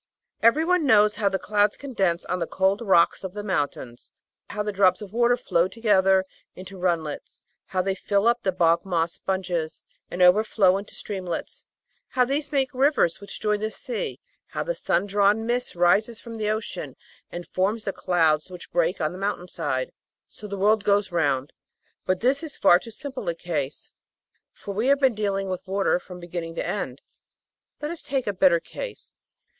Everyone knows how the clouds condense on the cold rocks of the mountains, how the drops of water flow together into run lets, how they fill up the bog moss sponges and overflow into streamlets, how these make rivers which join the sea, how the sun drawn mist rises from the ocean and forms the clouds which break on the mountain side. So the world goes round. But this is far too simple a case, for we have been dealing with water from beginning to end. Let us take a better case.